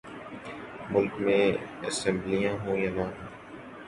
ملک میں اسمبلیاں ہوں یا نہ ہوں۔